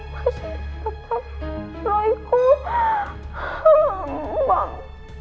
masih tetap roy kok